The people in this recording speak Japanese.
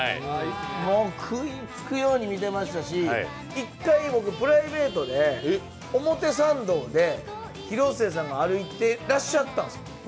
もう、食いつくように見てましたし一回、プライベートで表参道で広末さんが歩いていらっしゃったんです。